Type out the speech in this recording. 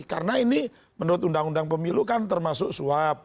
karena ini menurut undang undang pemilu kan termasuk suap